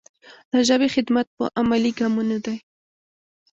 د ژبې خدمت په عملي ګامونو دی.